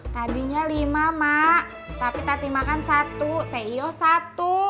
tadinya lima ma tapi tati makan satu teh iyo satu